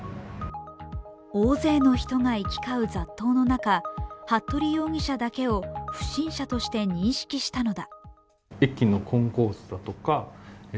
大勢の人が行き交う雑踏の中、服部容疑者だけを不審者として認識したのだ。